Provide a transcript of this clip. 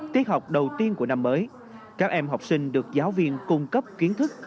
tiết học đầu tiên của năm mới các em học sinh được giáo viên cung cấp kiến thức